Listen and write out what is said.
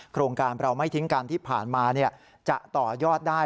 โครงการเราไม่ทิ้งกันที่ผ่านมาจะต่อยอดได้